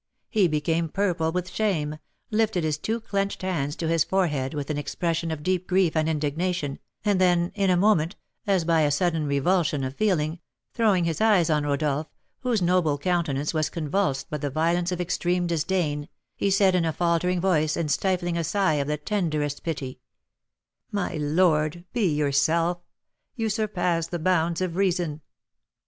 He became purple with shame, lifted his two clenched hands to his forehead with an expression of deep grief and indignation, and then, in a moment, as by a sudden revulsion of feeling, throwing his eyes on Rodolph, whose noble countenance was convulsed by the violence of extreme disdain, he said, in a faltering voice, and stifling a sigh of the tenderest pity, "My lord, be yourself; you surpass the bounds of reason."